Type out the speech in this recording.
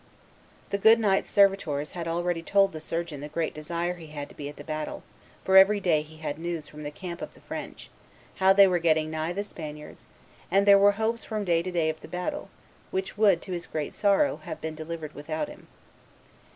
The good knight's servitors had already told the surgeon the great desire he had to be at the battle, for every day he had news from the camp of the French, how that they were getting nigh the Spaniards, and there were hopes from day to day of the battle, which would, to his great sorrow, have been delivered without him.